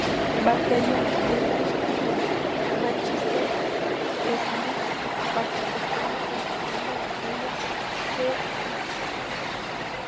Batallón, el regimiento de Mánchester, Smith participó en la Segunda Batalla de Ypres.